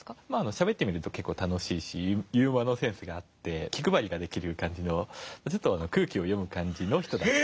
しゃべってみると結構楽しいしユーモアのセンスがあって気配りができる感じの空気を読む感じの人だった。